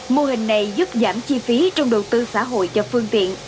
mô hình này giúp giảm chi phí trong đầu tư xã hội cho phương tiện